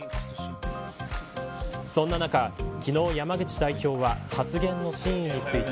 そんな中、昨日、山口代表は発言の真意について。